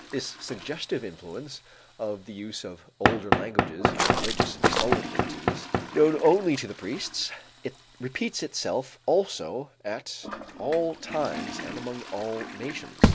This suggestive influence of the use of older languages for religious solemnities, known only to the priests, repeats itself also at all times and among all nations.